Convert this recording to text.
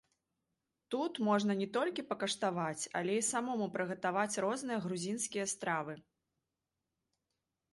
Тут можна не толькі пакаштаваць, але і самому прыгатаваць розныя грузінскія стравы.